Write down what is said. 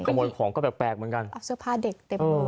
แต่หมดของก็แปลกเหมือนกันเอาเสื้อผ้าเด็กเต็มเลย